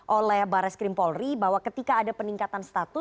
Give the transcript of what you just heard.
oleh barreskrim polri bahwa ketika ada peningkatan status